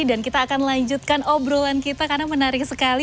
dan kita akan lanjutkan obrolan kita karena menarik sekali